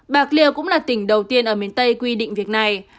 bạc liêu cũng là tỉnh đầu tiên ở miền tây quy định việc này